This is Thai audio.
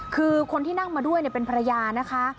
คือคนที่นั่งมาด้วยเป็นภรรยานะคะ